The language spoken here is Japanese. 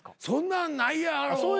そんなんないやろ。